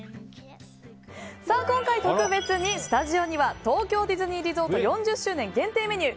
今回特別にスタジオには東京ディズニーリゾート４０周年限定メニュー